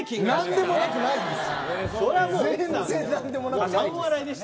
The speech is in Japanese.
何でもなくないです。